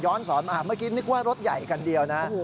สอนมาเมื่อกี้นึกว่ารถใหญ่คันเดียวนะ